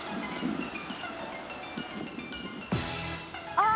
あっ！